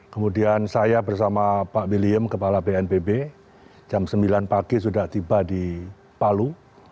kemudian saya bersama pak william kepala bnpb jam sembilan pagi sudah tiba di palu